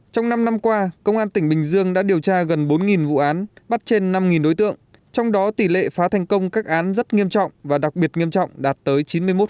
trong năm năm qua công an tỉnh bình dương đã điều tra gần bốn vụ án bắt trên năm đối tượng trong đó tỷ lệ phá thành công các án rất nghiêm trọng và đặc biệt nghiêm trọng đạt tới chín mươi một